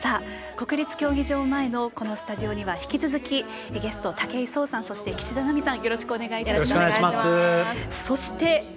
国立競技場前のこのスタジオには引き続きゲスト、武井壮さんそして岸田奈美さん